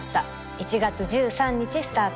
１月１３日スタート